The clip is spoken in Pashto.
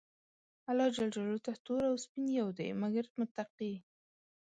الله ج ته تور او سپين يو دي، مګر متقي.